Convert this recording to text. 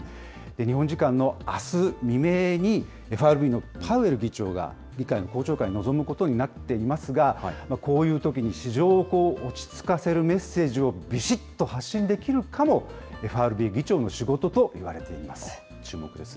日本時間のあす未明に、ＦＲＢのパウエル議長が、議会の公聴会に臨むことになっていますが、こういうときに市場を落ち着かせるメッセージをびしっと発信できるかも、ＦＲＢ議長の仕事といわれています。